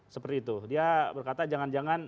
seperti itu dia berkata jangan jangan